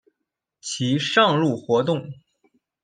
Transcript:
其上路活动。